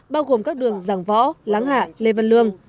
bao gồm các đường giảng võ láng hạ lê văn lương